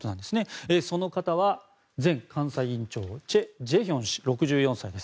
その方は、前監査院長のチェ・ジェヒョン氏６４歳です。